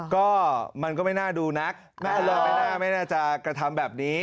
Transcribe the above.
ก็มันก็ไม่น่าดูนักไม่น่าจะกระทำแบบนี้